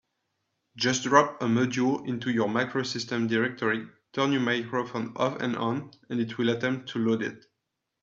Just drop a module into your MacroSystem directory, turn your microphone off and on, and it will attempt to load it.